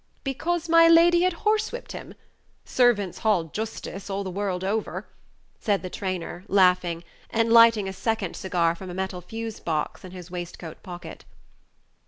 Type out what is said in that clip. "Because my lady had horsewhipped him. Servants' hall justice all the world over," said the trainer, laughing, and lighting a second cigar from a metal fusee box in his waistcoat pocket.